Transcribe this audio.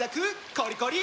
コリコリ！